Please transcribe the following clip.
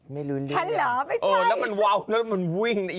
ไม่รู้เรียกอะไรนะแล้วมันววฉันเหรอไม่ใช่